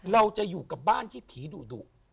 เราจะอยู่กับบ้านที่ผีดุ